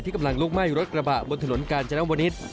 กำลังลุกไหม้รถกระบะบนถนนกาญจนวนิษฐ์